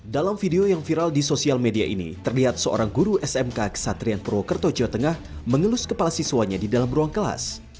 dalam video yang viral di sosial media ini terlihat seorang guru smk kesatrian purwokerto jawa tengah mengelus kepala siswanya di dalam ruang kelas